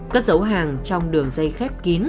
cất dấu hàng trong đường dây khép kín